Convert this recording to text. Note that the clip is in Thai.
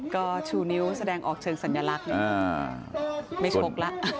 ก็ชูนิ้วแสดงออกเชิงสัญลักษณ์ไม่ชกแล้ว